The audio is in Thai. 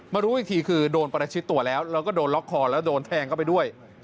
รู้อีกทีคือโดนประชิดตัวแล้วแล้วก็โดนล็อกคอแล้วโดนแทงเข้าไปด้วย